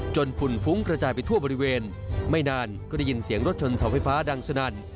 ฝุ่นฟุ้งกระจายไปทั่วบริเวณไม่นานก็ได้ยินเสียงรถชนเสาไฟฟ้าดังสนั่น